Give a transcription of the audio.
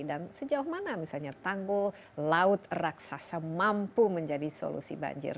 dan sejauh mana misalnya tanggul laut raksasa mampu menjadi solusi banjir